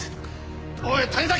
おい谷崎！